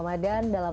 dan bisa menggunakan